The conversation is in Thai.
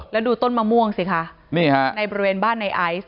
แล้วดูต้นมะม่วงสิคะนี่ฮะในบริเวณบ้านในไอซ์